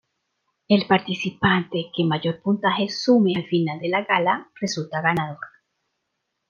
El participante que mayor puntaje sume al final de la gala resulta ganador.